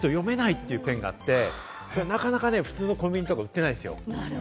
これじゃないと読めないというペンがあって、なかなか普通のコンビニとか売ってないんですよ。